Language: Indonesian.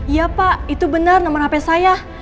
iya pak itu benar nomor hp saya